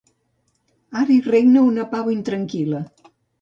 Ara hi regna una pau intranquil·la.